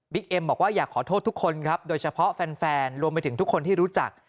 เอ็มบอกว่าอยากขอโทษทุกคนครับโดยเฉพาะแฟนรวมไปถึงทุกคนที่รู้จัก